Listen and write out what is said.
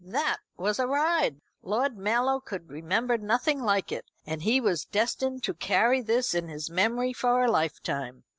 That was a ride! Lord Mallow could remember nothing like it, and he was destined to carry this in his memory for a lifetime.